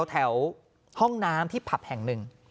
แถวห้องน้ำที่ผับแห่งหนึ่ง